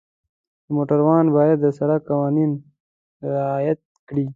د موټروان باید د سړک قوانین رعایت کړي.